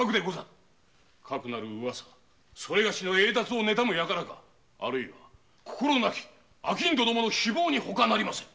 かくなるウワサそれがしの栄達をねたむ輩があるいは心なき商人どもの誹謗にほかなりませぬ！